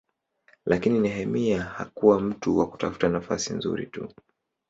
Lakini Nehemia hakuwa mtu wa kutafuta nafasi nzuri tu.